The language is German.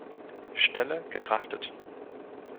Stelle gedraftet.